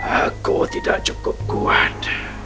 aku tidak cukup kuat